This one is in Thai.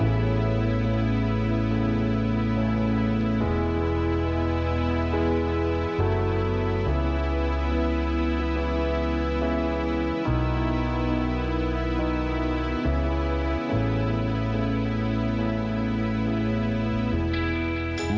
มีพระภูมิที่ที่จะให้วากรงค์สมมุติได้